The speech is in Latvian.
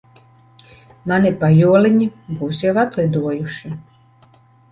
Mani pajoliņi būs jau atlidojuši.